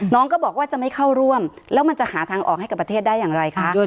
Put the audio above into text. น้องก็บอกว่าจะไม่เข้าร่วมแล้วมันจะหาทางออกให้กับประเทศได้อย่างไรคะ